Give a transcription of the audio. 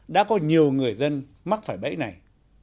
đã có nhiều người dân mắc phải bẫy này